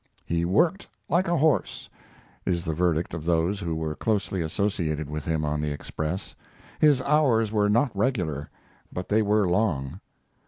He "worked like a horse," is the verdict of those who were closely associated with him on the Express. His hours were not regular, but they were long.